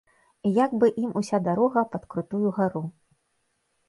І як бы ім уся дарога пад крутую гару.